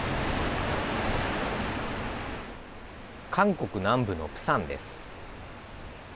韓国南部のプサンです。